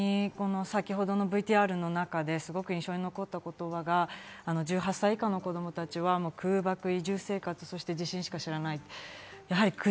先ほどのＶＴＲの中ですごく印象に残った言葉が１８歳以下の子供たちは、空爆、移住生活、地震しか知らない。